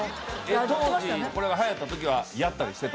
当時これがはやった時はやったりしてた？